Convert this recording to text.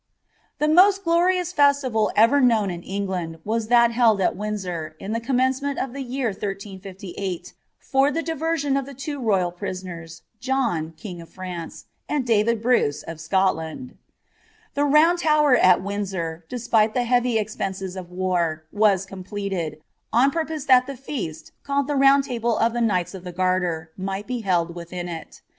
^ us festival ever known in England was that held at ^V'indtor, in tlie cnmniencement of the year 1358, for the diversion of liie two roynl prisoners, John, king of France, and David Bruce, of Sci^ilauil. The Itound Tower at Windsor, despite of the heavy expenses <^ war, was completed, on purpose that the feast, called the Bound Table of the Knights of the Garter, might be held within it.